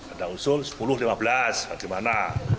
ada usul sepuluh lima belas bagaimana